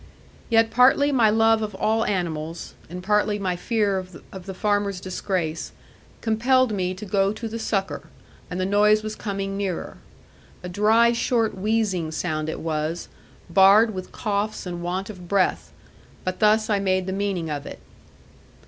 Yet partly my love of all animals, and partly my fear of the farmer's disgrace, compelled me to go to the succour, and the noise was coming nearer. A dry short wheezing sound it was, barred with coughs and want of breath; but thus I made the meaning of it.